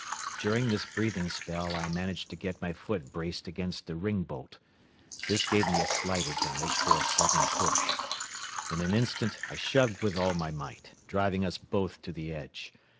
During this breathing spell I managed to get my foot braced against a ring bolt. This gave me a slight advantage for a sudden push. In an instant I shoved with all my might, driving us both to the edge.